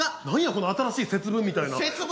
何やこの新しい節分みたいなん。